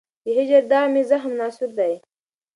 د هجر داغ مي زخم ناصور دی